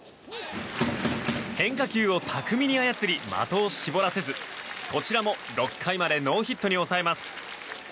変化球を巧みに操り的を絞らせずこちらも６回までノーヒットに抑えます。